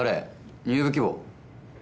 入部希望？